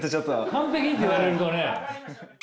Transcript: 「完璧に」って言われるとね。